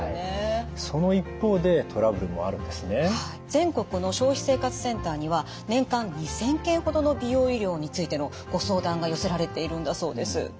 全国の消費生活センターには年間２，０００件ほどの美容医療についてのご相談が寄せられているんだそうです。